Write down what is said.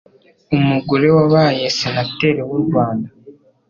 umugore wabaye senateri w'u Rwanda,